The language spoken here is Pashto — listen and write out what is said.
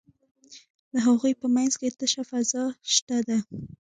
د هغوی په منځ کې تشه فضا شته ده.